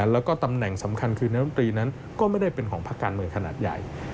แล้วก็ตำแหน่งสำคัญคือน้ำตรีนั้นก็ไม่ได้เป็นของภาคการเมืองขนาดใหญ่